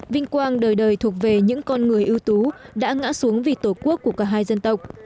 vinh quang đời đời thuộc về những con người ưu tú đã ngã xuống vì tổ quốc của cả hai dân tộc